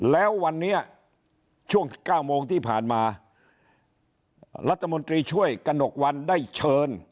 แล้ววันนี้ช่วง๙โมงที่ผ่านมารัฐมนตรีช่วยกระหนกวันได้เชิญ